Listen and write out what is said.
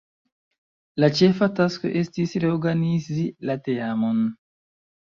La ĉefa tasko estis reorganizi la teamon.